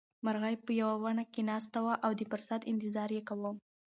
مرغۍ په یوه ونه کې ناسته وه او د فرصت انتظار یې کاوه.